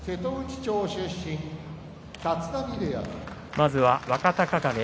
まずは若隆景。